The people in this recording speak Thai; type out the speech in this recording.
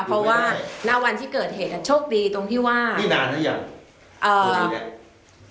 เพราะว่าณวันที่เกิดเหตุอ่ะโชคดีตรงที่ว่านี่นานหรือยังเอ่อ